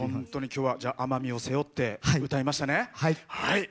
きょうは奄美を背負って歌いましたね。